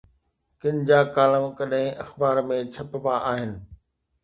ڪن جا ڪالم ڪڏهن اخبار ۾ ڇپبا آهن.